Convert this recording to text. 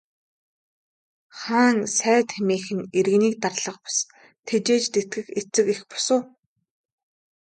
Хаан сайд хэмээх нь иргэнийг дарлах бус, тэжээж тэтгэх эцэг эх бус уу.